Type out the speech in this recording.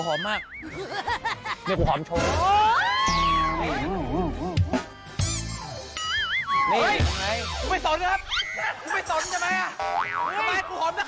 เป็นยังไงไทยรัฐทีวี